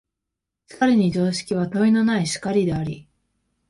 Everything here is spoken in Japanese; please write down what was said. しかるに常識は問いのない然りであり、